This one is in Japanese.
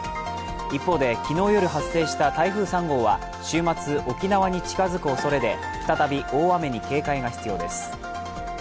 一方で、昨日夜発生した台風３号は週末沖縄に近づくおそれで再び、大雨に警戒が必要です。